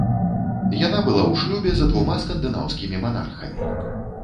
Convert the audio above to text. Яна была ў шлюбе за двума скандынаўскімі манархамі.